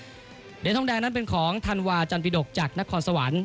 เหรียญทองแดงนั้นเป็นของธันวาจันปิดกจากนครสวรรค์